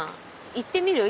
行ってみる？